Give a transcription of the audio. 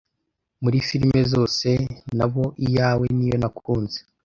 muri firime zose nabo iyawe niyo nakunze